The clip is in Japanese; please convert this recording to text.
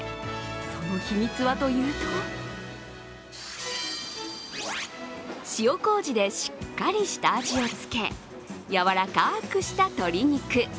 その秘密はというと塩こうじでしっかり下味をつけやわらかくした鶏肉。